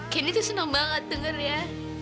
candy senang banget dengarnya